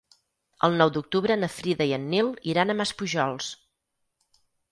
El nou d'octubre na Frida i en Nil iran a Maspujols.